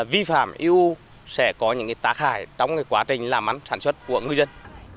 vi phạm eu sẽ có những tác hại trong quá trình làm mắn sản xuất của ngư dân